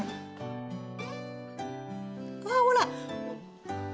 ああほら！